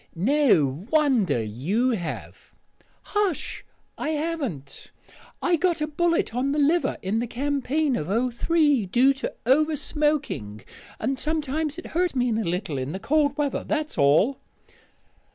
"No wonder you have " "Hush! I haven't. I got a bullet on the liver in the campaign of '03, due to over smoking; and sometimes it hurts me a little in the cold weather. That's all."